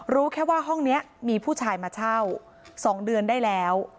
รู้แค่ว่าห้องนี้มีผู้ชายมาเช่า๒เดือนได้แล้ว